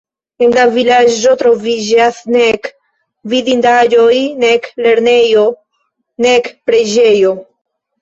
En la vilaĝo troviĝas nek vidindaĵoj, nek lernejo, nek preĝejo.